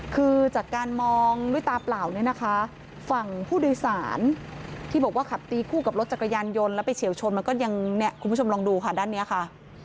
คือจากการมองด้วยตาเปล่าเนี่ยนะคะฝั่งผู้โดยสารที่บอกว่าขับตีคู่กับรถจักรยานยนต์แล้วไปเฉียวชนมันก็ยังเนี่ยคุณผู้ชมลองดูค่ะด้านนี้ค่ะ